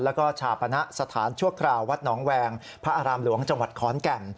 แล้วก็ชาปณะสถานชั่วคราววัดหนองแวงพระอารามหลวงจังหวัดขอนแก่น